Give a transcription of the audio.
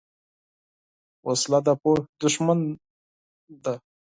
وسله د پوهې دښمن ده